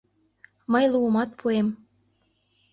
— Мый луымат пуэм...